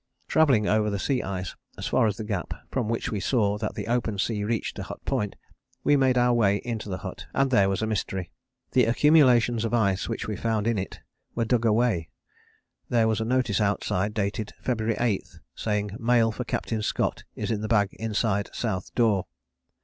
Travelling over the sea ice as far as the Gap, from which we saw that the open sea reached to Hut Point, we made our way into the hut, and there was a mystery. The accumulations of ice which we found in it were dug away: there was a notice outside dated February 8 saying, "mail for Captain Scott is in bag inside south door."